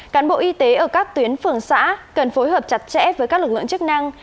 cán bộ y tế ở các tuyến phường xã cần phối hợp chặt chẽ với các lực lượng chức năng